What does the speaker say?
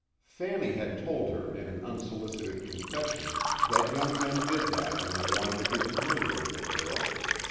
Fanny had told her in an unsolicited confession that young men did that when they wanted to be familiar with a girl.